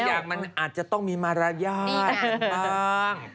บางอย่างมันอาจจะต้องมีมารยาทบาง